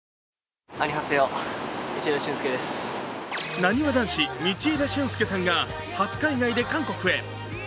なにわ男子、道枝駿佑さんが初海外で韓国へ。